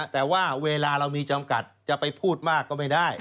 แต่ว่าเวลาเรามีจำกัดจะไปพูดมากก็ไม่ได้